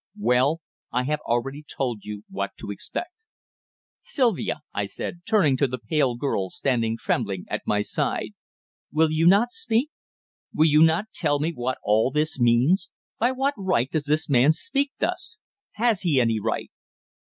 "Well, I have already told you what to expect." "Sylvia," I said, turning to the pale girl standing trembling at my side, "will you not speak? Will you not tell me what all this means? By what right does this man speak thus? Has he any right?"